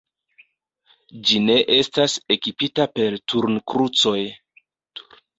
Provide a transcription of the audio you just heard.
Ĝi ne estas ekipita per turnkrucoj.